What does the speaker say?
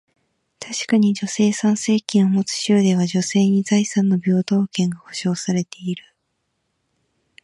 確かに、女性参政権を持つ州では、女性に財産の平等権が保証されている。